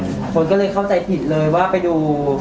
คนก็เลยเข้าใจผิดเลยว่าไปดู